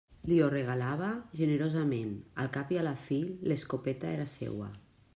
Li ho regalava generosament: al cap i a la fi, l'escopeta era seua.